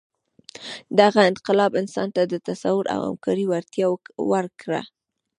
دغه انقلاب انسان ته د تصور او همکارۍ وړتیا ورکړه.